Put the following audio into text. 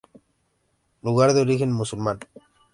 Lugar de origen musulmán.